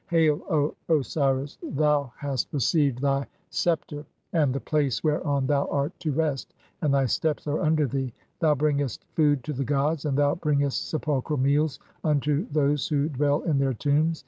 Hail, O Osiris, thou "hast received thy sceptre and (8) the place whereon thou art "to rest, and thy steps are under thee. Thou bringest food to "the gods, and thou bringest sepulchral meals unto those who "dwell in their tombs.